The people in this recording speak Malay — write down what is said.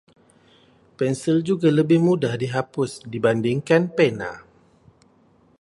Pensil juga lebih mudah dihapus dibandingkan pena.